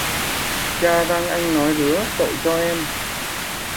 Cha răng anh nói rứa, tội cho em